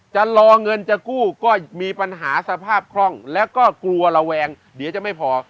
จะรอเงินจะกู้ก็มีปัญหาสภาพคล่องแล้วก็กลัวระแวงเดี๋ยวจะไม่พอ